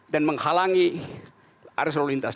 dan menghalangi area selalu lintas